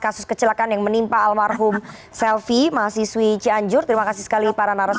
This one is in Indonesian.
kasus kecelakaan yang menimpa almarhum selvi mahasiswi cianjur terima kasih sekali para narasum